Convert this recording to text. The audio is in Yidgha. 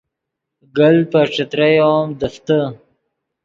گلت پے ݯتریو ام دیفتے